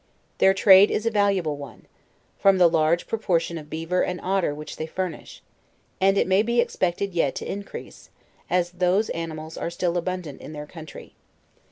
Their trade is a valuable one; from the large proportion of beaver and ot ter which they furnish; and it may be expected yet to in crease, as those animals are still abundant in their country.